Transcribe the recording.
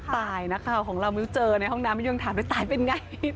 ตายนะครับของเราเจอในห้องน้ำยังถามว่าตายเป็นไง